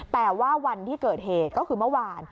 แต่ว่าวันที่เกิดเหตุก็คือเมื่อวาน